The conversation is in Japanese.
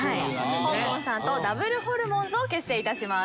ほんこんさんとダブルホルモンズを結成致します。